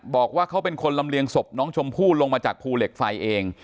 บอกว่าเขาเป็นคนลำเลียงศพน้องชมพู่ลงมาจากภูเหล็กไฟเอง